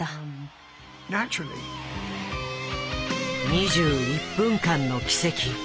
２１分間の奇跡。